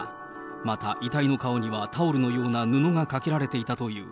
また、遺体の顔にはタオルのような布がかけられていたという。